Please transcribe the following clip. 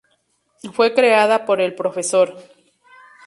Fue creada por el Prof.